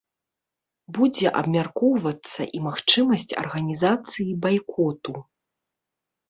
Будзе абмяркоўвацца і магчымасць арганізацыі байкоту.